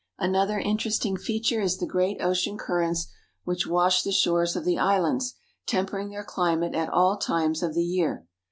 Another interesting feature is the great ocean currents which wash the shores of the islands, tempering their climate at all times of the year.